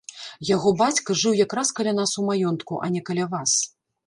Яго бацька жыў якраз каля нас у маёнтку, а не каля вас.